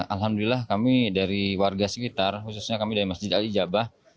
alhamdulillah kami dari warga sekitar khususnya kami dari masjid al hijabah